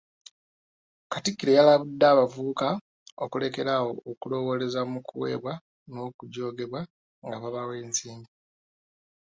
Katikkiro yalabudde abavubuka okulekera awo okulowoleza mu kuwebwa n'okujoogebwa nga babawa ensimbi.